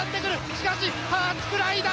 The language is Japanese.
しかしハーツクライだ！